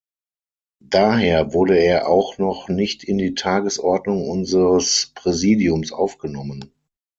Daher wurde er auch noch nicht in die Tagesordnung unseres Präsidiums aufgenommen.